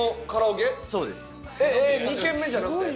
えっ２軒目じゃなくて？